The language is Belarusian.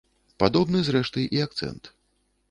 Падобны, зрэшты, і акцэнт.